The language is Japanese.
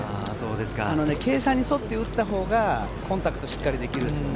傾斜に添って打ったほうがコンタクトしっかりできるんですよね。